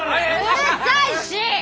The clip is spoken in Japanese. うるさいし！